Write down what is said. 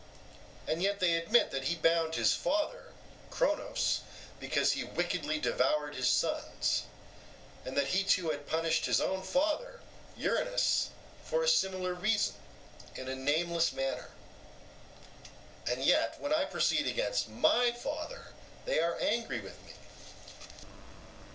and yet they admit that he bound his father (Cronos) because he wickedly devoured his sons, and that he too had punished his own father (Uranus) for a similar reason, in a nameless manner. And yet when I proceed against my father, they are angry with me.